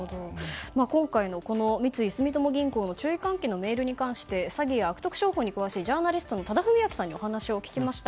今回の三井住友銀行の注意喚起のメールに関して詐欺や悪徳商法に詳しいジャーナリストの多田文明さんにお話を聞きました。